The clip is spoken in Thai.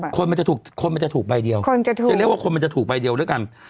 คนมันจะถูกคนมันจะถูกใบเดียวคนจะถูกจะเรียกว่าคนมันจะถูกใบเดียวด้วยกัน